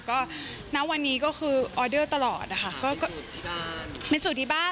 ก็ในวันนี้รหัสตรงตลอดเป็นสูตรที่บ้าน